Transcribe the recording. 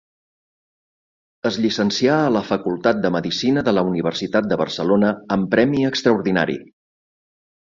Es llicencià a la Facultat de Medicina de la Universitat de Barcelona amb premi extraordinari.